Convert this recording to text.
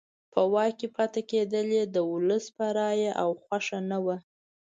په واک کې پاتې کېدل یې د ولس په رایه او خوښه نه وو.